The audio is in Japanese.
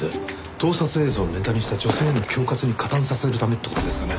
盗撮映像をネタにした女性への恐喝に加担させるためって事ですかね？